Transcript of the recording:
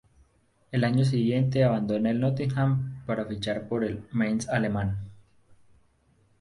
El año siguiente abandona el Nottingham para fichar por el Mainz alemán.